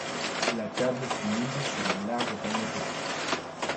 La table fut mise sur un large panier plat.